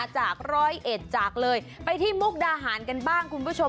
จากร้อยเอ็ดจากเลยไปที่มุกดาหารกันบ้างคุณผู้ชม